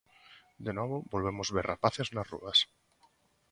De novo volvemos ver rapaces nas rúas.